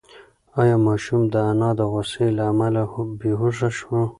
ایا ماشوم د انا د غوسې له امله بېهوښه شو؟